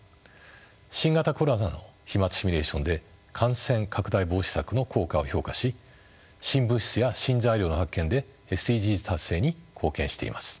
新型コロナの飛まつシミュレーションで感染拡大防止策の効果を評価し新物質や新材料の発見でＳＤＧｓ達成に貢献しています。